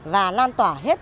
và lan tỏa hết